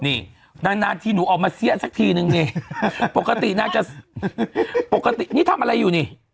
นี่นานทีหนูออกมาเสี้ยสักทีนึงนี่ปกตินางจะปกตินี่ทำอะไรอยู่นี่